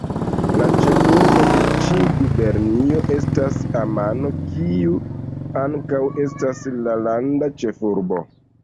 La ĉefurbo de ĉi gubernio estas Amano, kiu ankaŭ estas la landa ĉefurbo.